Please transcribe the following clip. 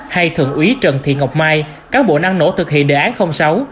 hay thượng úy trần thị ngọc mai cán bộ năng nổ thực hiện đề án không xấu